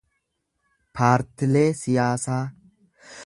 paartiilee siyaasaa